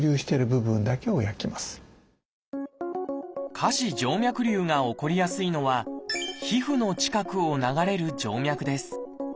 下肢静脈りゅうが起こりやすいのは皮膚の近くを流れる静脈です。